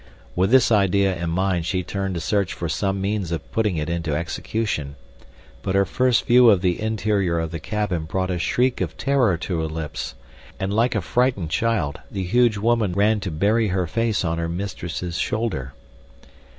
With this idea in mind she turned to search for some means of putting it into execution; but her first view of the interior of the cabin brought a shriek of terror to her lips, and like a frightened child the huge woman ran to bury her face on her mistress' shoulder.